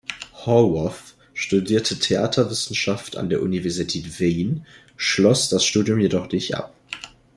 Horwath studierte Theaterwissenschaft an der Universität Wien, schloss das Studium jedoch nicht ab.